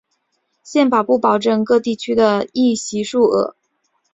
宪法不保证各地区的议席数额。